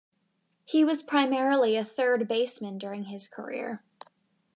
He was primarily a third baseman during his career.